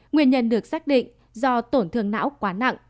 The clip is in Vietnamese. nguyên nhân được xác định do tổn thương não quá nặng